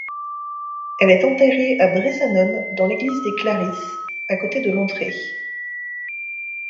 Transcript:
Elle est enterrée à Bressanone dans l'église des Clarisses, à côté de l'entrée.